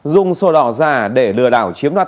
dùng sổ đỏ giả để lừa đảo chiếm đoạt